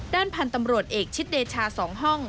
ด้านพันธุ์ตำรวจเอกชิดเดชา๒ห้อง